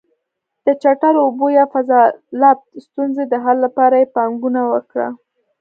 د چټلو اوبو یا فاضلاب ستونزې د حل لپاره یې پانګونه وکړه.